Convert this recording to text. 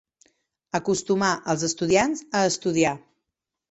Acostumar els estudiants a estudiar.